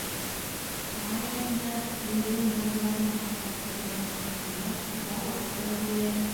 Май айында, Еҙем ярҙарына һыймай ҡотороноп аҡҡанда, балыҡ та үрләй.